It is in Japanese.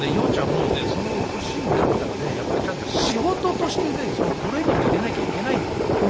もうねその年になったらねやっぱりちゃんと仕事としてねトレーニングを入れなきゃいけないんだと。